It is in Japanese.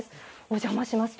お邪魔します。